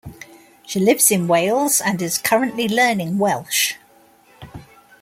She lives in Wales and is currently learning Welsh.